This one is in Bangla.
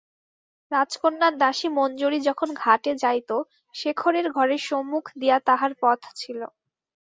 রাজকন্যার দাসী মঞ্জরী যখন ঘাটে যাইত, শেখরের ঘরের সম্মুখ দিয়া তাহার পথ ছিল।